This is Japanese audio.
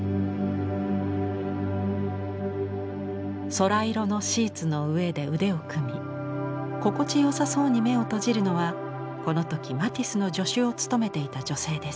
空色のシーツの上で腕を組み心地よさそうに目を閉じるのはこの時マティスの助手を務めていた女性です。